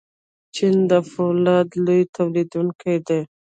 چین د فولادو لوی تولیدونکی دی.